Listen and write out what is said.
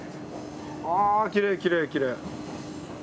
あきれいきれいきれい。